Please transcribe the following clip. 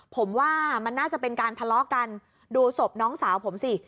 ผมว่ามันน่าจะเป็นการทะเลาะกันดูศพน้องสาวผมสิ